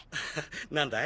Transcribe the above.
何だい？